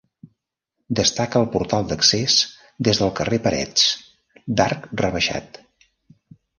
Destaca el portal d'accés des del carrer Parets, d'arc rebaixat.